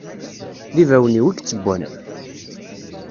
D ibawen-iw, i ittewwan!